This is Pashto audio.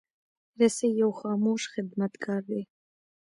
رسۍ یو خاموش خدمتګار دی.